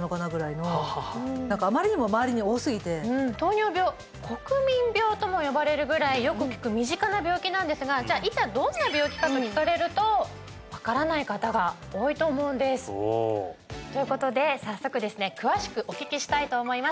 のかなぐらいの何かあまりにも周りに多すぎて糖尿病国民病とも呼ばれるぐらいよく聞く身近な病気なんですがじゃあいざどんな病気かと聞かれると分からない方が多いと思うんですということで早速ですね詳しくお聞きしたいと思います